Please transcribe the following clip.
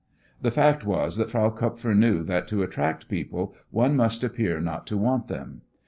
The fact was that Frau Kupfer knew that to attract people one must appear not to want them.